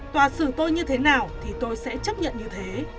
tòa xử tôi như thế nào thì tôi sẽ chấp nhận như thế